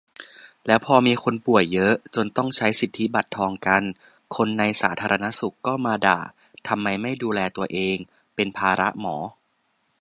"แล้วพอมีคนป่วยเยอะ จนต้องใช้สิทธิบัตรทองกัน คนในสาธารณสุขก็มาด่า ทำไมไม่ดูแลตัวเอง เป็นภาระหมอ"